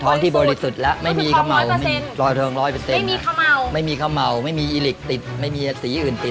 ทองที่บริสุทธิ์แล้วไม่มีข้าวเมาไม่มีข้าวเมาไม่มีอีลิกติดไม่มีสีอื่นติด